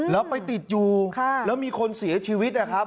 แล้วไปติดยูแล้วมีคนเสียชีวิต